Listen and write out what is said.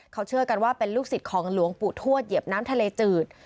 เขาเชื่อกันว่าเป็นลูกศิษย์ของหลวงปู่ทวดเหยียบน้ำทะเลจืด